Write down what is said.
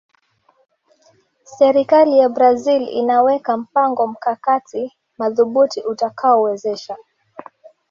serikali ya brazil inaweka mpango mkakati madhubuti utakaowezesha